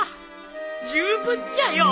十分じゃよ！